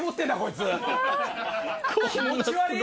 気持ち悪い！